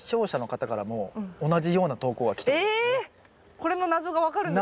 これの謎が分かるんですね。